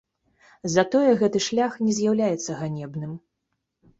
Затое гэты шлях не з'яўляецца ганебным.